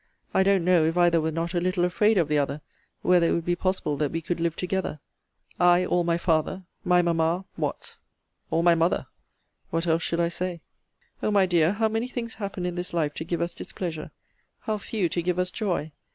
I don't know, if either were not a little afraid of the other, whether it would be possible that we could live together: I, all my father! My mamma What? All my mother What else should I say? * The 24th of July, Miss Clarissa Harlowe's birth day. O my dear, how many things happen in this life to give us displeasure! How few to give us joy!